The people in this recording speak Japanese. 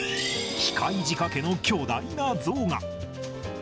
機械仕掛けの巨大な象が。